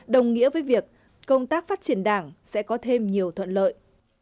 đồng nghĩa với việc công tác phát triển đảng sẽ có thêm nhiều thuận lợi